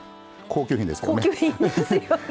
高級品ですよね。